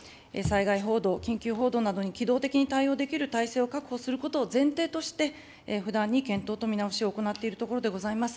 災害報道、緊急報道などに機動的に対応できる体制を確保することを前提として、不断に検討と見直しを行っているところでございます。